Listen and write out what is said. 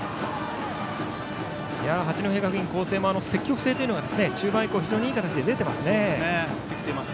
八戸学院光星も積極性というのが中盤以降、非常にいい形で出ています。